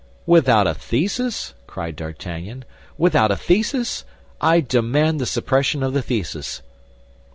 "Without a thesis?" cried D'Artagnan, "without a thesis? I demand the suppression of the thesis."